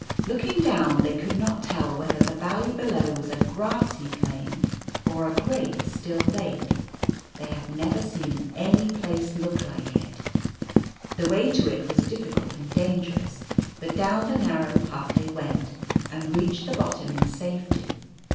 Looking down, they could not tell whether the val ley below was a grassy plain or a great still lake. They had never seen any space look like it. The way to it was difficult and dangerous, but down the narrow path they went, and reached the bottom in safety.